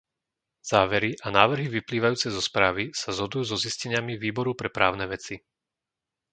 Závery a návrhy vyplývajúce zo správy sa zhodujú so zisteniami Výboru pre právne veci.